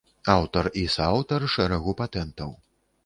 Аўтар і сааўтар шэрагу патэнтаў.